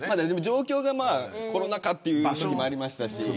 でも、状況がまあ、コロナ禍ということもありましたし。